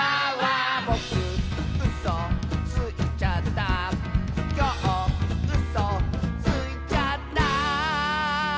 「ぼくうそついちゃった」「きょううそついちゃった」